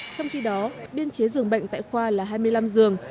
trong khi đó biên chế dường bệnh tại khoa là hai mươi năm giường